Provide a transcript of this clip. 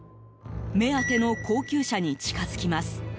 目当ての高級車に近づきます。